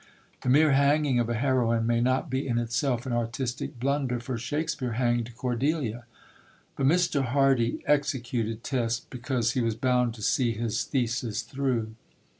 The mere hanging of a heroine may not be in itself an artistic blunder, for Shakespeare hanged Cordelia. But Mr. Hardy executed Tess because he was bound to see his thesis through.